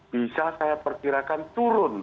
bisa saya perkirakan turun